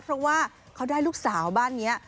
เพราะว่าเขาได้ลูกสาวบ้านนี้